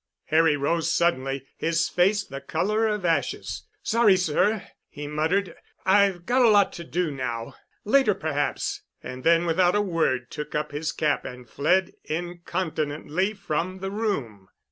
Harry rose suddenly, his face the color of ashes. "Sorry, sir," he muttered, "I've got a lot to do now. Later perhaps," and then without a word took up his cap and fled incontinently from the room.